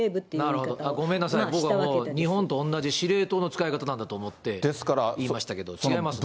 なるほど、ごめんなさい、僕は日本と同じ司令塔の使い方なんだと思って言いましたけど、違いますね。